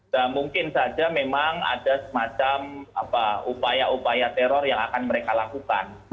dan mungkin saja memang ada semacam apa upaya upaya teror yang akan mereka lakukan